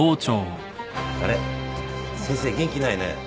あれっ先生元気ないね。